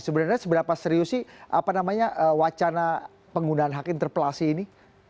sebenarnya seberapa serius sih apa namanya wacana penggunaan hak interpelasi ini